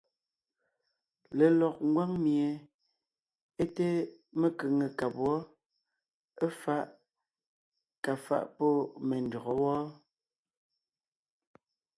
Lelɔg ngwáŋ mie é té mekʉ̀ŋekab wɔ́, éfaʼ kà faʼ pɔ́ me ndÿɔgɔ́ wɔ́ɔ.